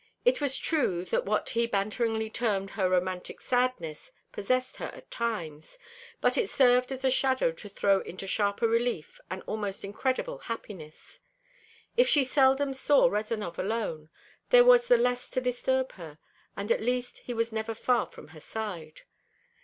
It was true that what he banteringly termed her romantic sadness possessed her at times, but it served as a shadow to throw into sharper relief an almost incredible happiness. If she seldom saw Rezanov alone there was the less to disturb her, and at least he was never far from her side.